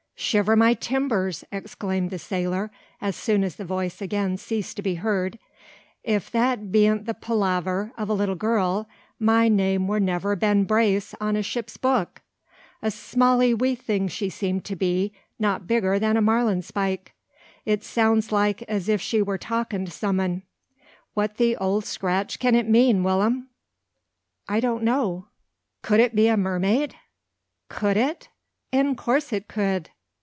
"Shiver my timbers!" exclaimed the sailor, as soon as the voice again ceased to be heard. "If that bean't the palaver o' a little girl, my name wur never Ben Brace on a ship's book. A smalley wee thing she seem to be; not bigger than a marlinspike. It sound like as if she wur talkin' to some un. What the Ole Scratch can it mean, Will'm?" "I don't know. Could it be a mermaid?" "Could it? In course it could."